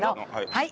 はい。